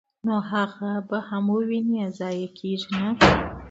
نو هغه به هم وويني، ضائع کيږي نه!!.